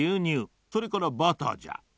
それからバターじゃ。